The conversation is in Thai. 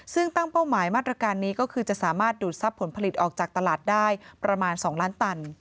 ซึ่งตั้งเป้าหมายมาตรการนี้ก็คือจะสามารถดูดทรัพย์ผลผลิตออกจากตลาดได้ประมาณ๒ล้านตัน